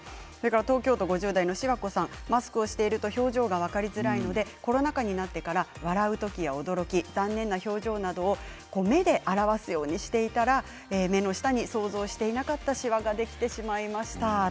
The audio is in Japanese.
東京都５０代の方マスクをしていると表情が分かりづらいのでコロナ禍になってから笑う時や、驚き、残念な表情なども目で表すようにしていたら目の下に想像していなかったしわができてしまいました。